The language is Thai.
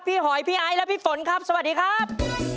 หอยพี่ไอ้และพี่ฝนครับสวัสดีครับ